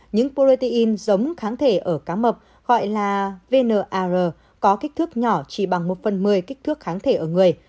những protein giống kháng thể ở cá mập gọi là vnr có kích thước nhỏ chỉ bằng một phần một mươi kích thước kháng thể ở người